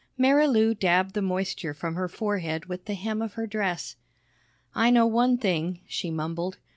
Marilou dabbed the moisture from her forehead with the hem of her dress. "I know one thing," she mumbled.